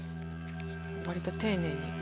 割と丁寧に。